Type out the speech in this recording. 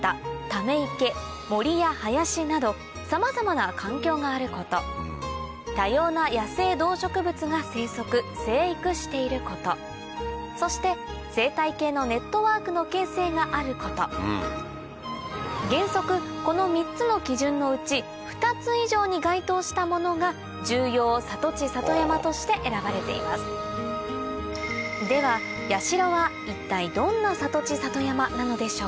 ため池森や林などさまざまな環境があること多様な野生動植物が生息生育していることそして生態系のネットワークの形成があること原則この３つの基準のうち２つ以上に該当したものが重要里地里山として選ばれていますでは八代はこんにちは。